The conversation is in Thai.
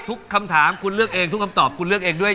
ทุกคำถามคุณเลือกเองทุกคำตอบคุณเลือกเองด้วย